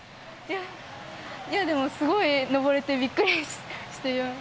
でもすごい登れて、びっくりしています。